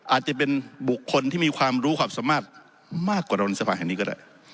อาจจะเป็นบุคคลที่มีความรู้ความสามารถมากกว่าเราในสภาแห่งนี้ก็ได้